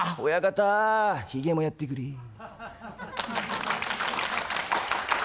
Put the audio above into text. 「親方ひげもやってくれ」。